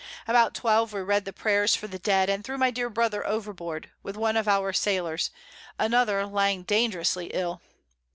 About twelve we read the Prayers for the Dead, and threw my dear Brother overboard, with one of our Sailors, another lying dangerously ill.